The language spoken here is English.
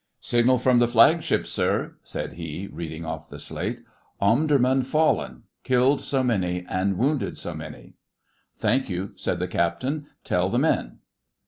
'Signal from the flagship, sir,' said he, reading off the slate. 'Omdurman fallen: killed so many, and wounded so many.' 'Thank you,' said the captain. 'Tell the men.